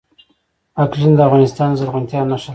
اقلیم د افغانستان د زرغونتیا نښه ده.